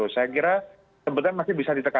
saya kira sebetulnya masih bisa ditekan